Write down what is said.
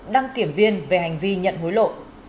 đăng kiểm viên về hành vi nhận hối lộ